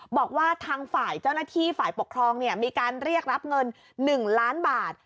บอกว่าทางฝ่ายเจ้าหน้าที่ฝ่ายปกครองมีการเรียกรับเงิน๑ล้านบาท